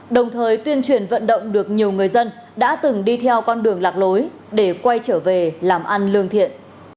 đồng thời tuyên truyền vận động được nhiều người dân đã từng đi theo con đường lạc lối để quay trở về làm ăn lương thiện